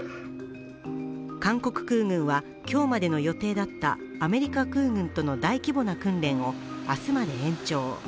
韓国空軍は今日までの予定だったアメリカ空軍との大規模な訓練を明日まで延長。